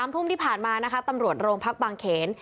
ทุ่มที่ผ่านมานะคะตำรวจโรงพักบางเขน